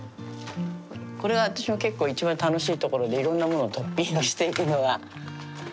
これが私の結構一番楽しいところでいろんなものをトッピングしていくのが。